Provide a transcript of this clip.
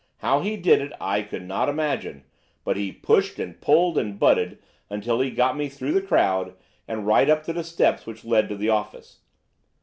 How he did it I could not imagine, but he pushed and pulled and butted until he got me through the crowd, and right up to the steps which led to the office.